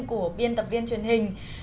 của biên tập viên truyền hình